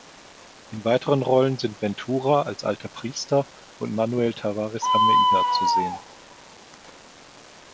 In weiteren Rollen sind Ventura als alter Priester und Manuel Tavares Almeida zu sehen.